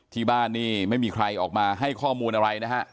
ที่บ้านนี่ไม่มีใครออกมาให้ข้อมูลอะไรนะฮะ